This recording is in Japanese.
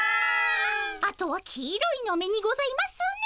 あとは黄色いのめにございますね。